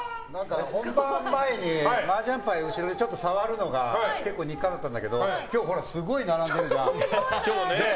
本番前にマージャン牌を後ろでちょっと触るのが結構、日課だったんだけど今日、すごい並んでるじゃん。